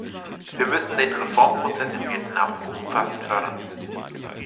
Wir müssen den Reformprozess in Vietnam umfassend fördern.